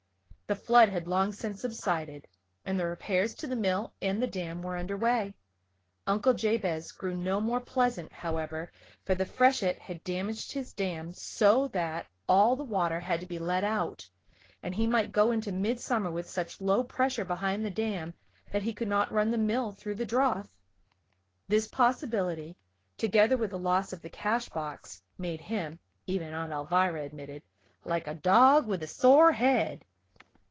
The flood had long since subsided and the repairs to the mill and the dam were under way. Uncle Jabez grew no more pleasant, however, for the freshet had damaged his dam so that all the water had to be let out and he might go into midsummer with such low pressure behind the dam that he could not run the mill through the drouth. This possibility, together with the loss of the cash box, made him even Aunt Alvirah admitted "like a dog with a sore head."